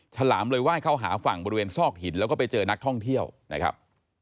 ฉลามเลยไหว้เข้าหาฝั่งบริเวณซอกหินแล้วก็ไปเจอนักท่องเที่ยวนะครับ